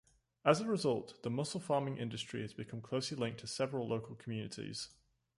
As a result, the mussel-farming industry has become closely linked to several local communities.